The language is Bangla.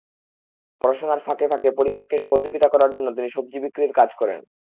পড়াশোনার ফাঁকে ফাঁকে পরিবারকে সহযোগিতা করার জন্য তিনি সবজি বিক্রির কাজ করেন।